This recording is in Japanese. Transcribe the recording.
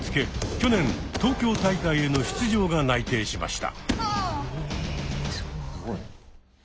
去年東京大会への出場が内定しました。